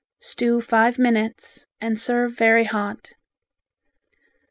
Stew five minutes and serve very hot.